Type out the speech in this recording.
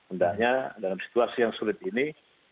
endahnya dalam situasi yang sulit ini